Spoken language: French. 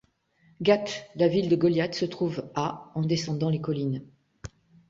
Gath, la ville de Goliath se trouve à en descendant les collines.